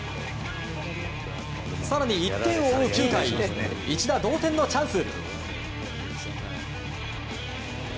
更に１点を追う９回一打同点のチャンス。